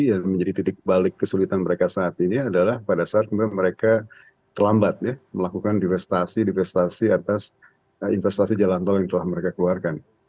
dan menjadi titik balik kesulitan mereka saat ini adalah pada saat mereka terlambat ya melakukan divestasi divestasi atas investasi jalan tol yang telah mereka keluarkan